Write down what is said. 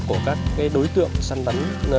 của các đối tượng sân vấn